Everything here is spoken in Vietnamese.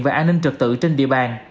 và an ninh trực tự trên địa bàn